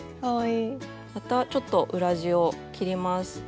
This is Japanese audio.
またちょっと裏地を切ります。